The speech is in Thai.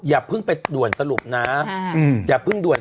อย่าเพิ่งไปด่วนสรุปนะ